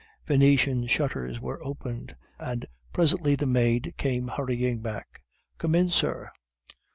"'Venetian shutters were opened, and presently the maid came hurrying back. "'"Come in, sir."